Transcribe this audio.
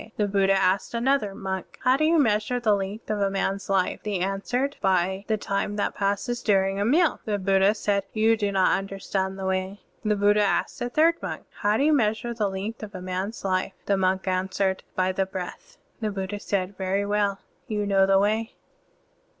The Buddha asked another monk, "How do you measure the length of a man's life?" The monk answered, " By the time that passes during a meal." The Buddha said, "You do not tmder stand the way." The Buddha asked a third monk, "How do you measure the length of a man's life?" The monk answered, "By the breath." The Buddha said, "Very well, you know the Way."